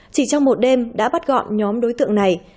chỉ trong một đêm đã bắt gọn nhóm đối tượng này